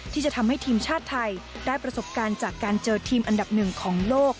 ที่จะทำให้ทีมชาติไทยได้ประสบการณ์จากการเจอทีมอันดับหนึ่งของโลก